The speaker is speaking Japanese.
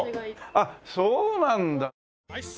あっそうなんだ。